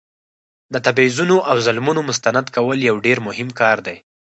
د تبعیضونو او ظلمونو مستند کول یو ډیر مهم کار دی.